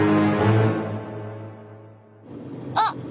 あっ！